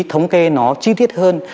thống kê nó chi tiết hơn